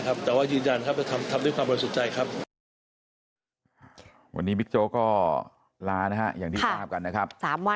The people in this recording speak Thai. แต่ว่ายืนยันทำด้วยความบริสุทธิใจครับ